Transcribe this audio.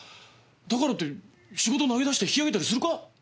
だからって仕事投げ出して引き揚げたりするか？